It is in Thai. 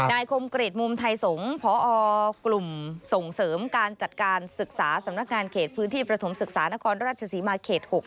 คมกริจมุมไทยสงฆ์พอกลุ่มส่งเสริมการจัดการศึกษาสำนักงานเขตพื้นที่ประถมศึกษานครราชศรีมาเขต๖